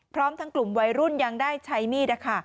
พร้อมทั้งกลุ่มวัยรุ่นยังได้ใช้มีด